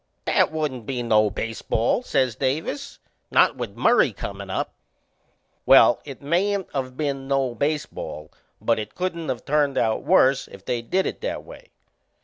"That wouldn't be no baseball," says Davis "not with Murray comin' up." Well, it mayn't of been no baseball, but it couldn't of turned out worse if they'd did it that way.